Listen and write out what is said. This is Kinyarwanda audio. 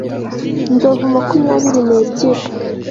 inzovu makumyabiri n'ebyiri